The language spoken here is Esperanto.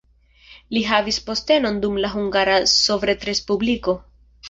Li havis postenon dum la Hungara Sovetrespubliko.